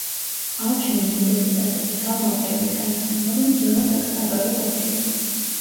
ალში მონეტების ასეთი თავმოყრა იმით აიხსნება, რომ ძველად აქ საბაჟო ყოფილა.